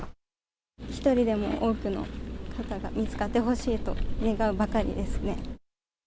一人でも多くの方が見つかってほしいと願うばかりですね。